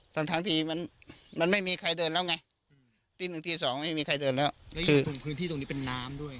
ทางทางทีมันมันไม่มีใครเดินแล้วไงที่หนึ่งที่สองไม่มีใครเดินแล้วคือพื้นที่ตรงนี้เป็นน้ำด้วย